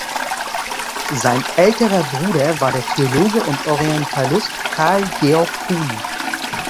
Sein älterer Bruder war der Theologe und Orientalist Karl Georg Kuhn.